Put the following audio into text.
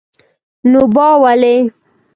نو با ولي?